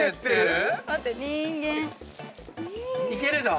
いけるぞ。